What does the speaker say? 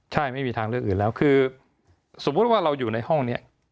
ใช่ไม่มีทางเลือกอื่นแล้วคือสมมุติว่าเราอยู่ในห้องนี้